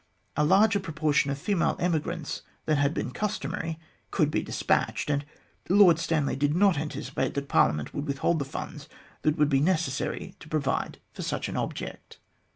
A larger proportion of female emigrants than had been customary could be despatched, and Lord Stanley did not anticipate that Parliament would withhold the funds that would be necessary to provide for such an object.